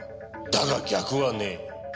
だが逆はねえ。